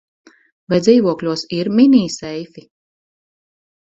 Vai dzīvokļos ir mini seifi?